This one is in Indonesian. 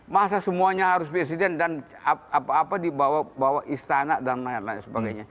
masa semuanya harus presiden dan dibawa istana dan lain lain sebagainya